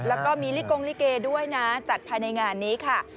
แล้วก็มีลิกงลิเกด้วยนะจัดภายในงานนี้ค่ะ